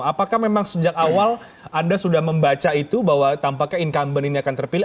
apakah memang sejak awal anda sudah membaca itu bahwa tampaknya incumbent ini akan terpilih